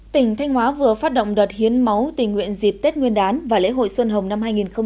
tỉnh thanh hóa vừa phát động đợt hiến máu tình nguyện dịp tết nguyên đán và lễ hội xuân hồng năm hai nghìn hai mươi